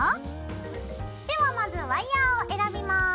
ではまずワイヤーを選びます。